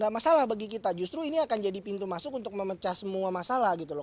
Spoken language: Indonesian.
tidak masalah bagi kita justru ini akan jadi pintu masuk untuk memecah semua masalah gitu loh